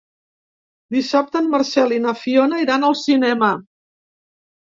Dissabte en Marcel i na Fiona iran al cinema.